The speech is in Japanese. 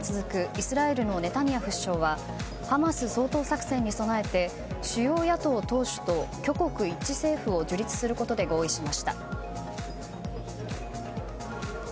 イスラエルのネタニヤフ首相はハマス掃討作戦に備えて主要野党党首と挙国一致政府を樹立することで合意しました。